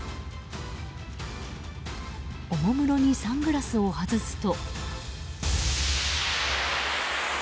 おもむろにサングラスを外すと。